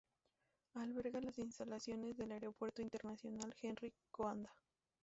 Alberga las instalaciones del Aeropuerto Internacional Henri Coandă.